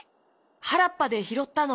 はらっぱでひろったの。